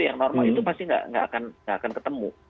yang normal itu pasti nggak akan ketemu